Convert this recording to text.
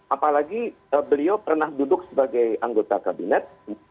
apalagi beliau pernah duduk sebagai anggota kabinet